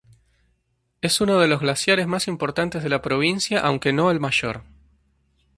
Es uno de los glaciares más importantes de la Provincia, aunque no el mayor.